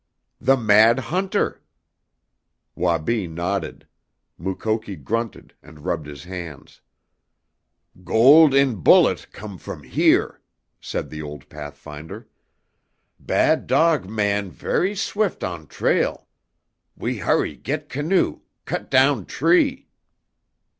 "The mad hunter!" Wabi nodded. Mukoki grunted and rubbed his hands. "Gold in bullet come from here!" said the old pathfinder. "Bad dog man ver' swift on trail. We hurry get canoe cut down tree!"